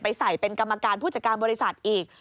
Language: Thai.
ไปใส่กรรมการผู้จัดการบริศัทธิ์อีก